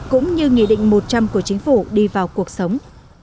cũng như nghị định một trăm linh của chính phủ đi vào cuộc sống